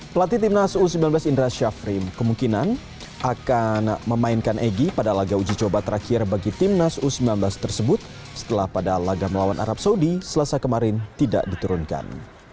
pelatih tim nasu u sembilan belas indonesia fri kemungkinan akan memainkan egy pada laga uji coba terakhir bagi tim nasu u sembilan belas tersebut setelah pada laga melawan arab saudi selesai kemarin tidak diturunkan